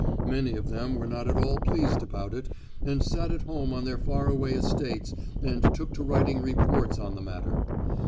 Many of them were not at all pleased about it, and sat at home on their far away estates and took to writing reports on the matter.